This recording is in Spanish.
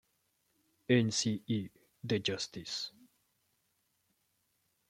N. C. E. de Justice.